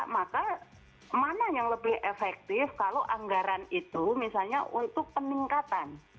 maka mana yang lebih efektif kalau anggaran itu misalnya untuk peningkatan